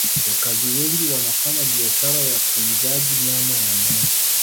wakazi wengi wanafanya biashara ya kuuzaji nyama ya ngombe